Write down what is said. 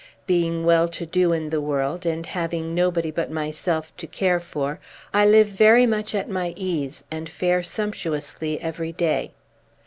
Being well to do in the world, and having nobody but myself to care for, I live very much at my ease, and fare sumptuously every day.